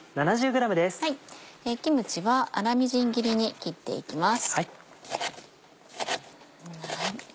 キムチは粗みじん切りに切っていきます。